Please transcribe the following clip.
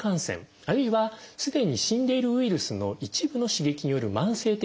あるいはすでに死んでいるウイルスの一部の刺激による慢性的な炎症。